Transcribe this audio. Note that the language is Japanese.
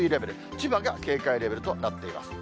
千葉が警戒レベルとなっています。